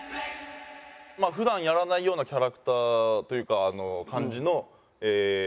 普段やらないようなキャラクターというか感じの人ですかね。